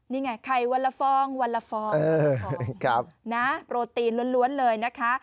นี่ไงไข่วันละฟองวันละฟองโปรตีนล้วนเลยนะคะ